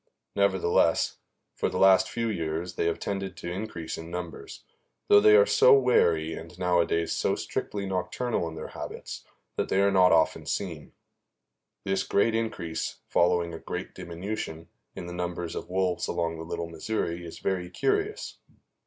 Nevertheless, for the last few years they have tended to increase in numbers, though they are so wary, and nowadays so strictly nocturnal in their habits, that they are not often seen. This great increase, following a great diminution, in the number of wolves along the Little Missouri is very curious.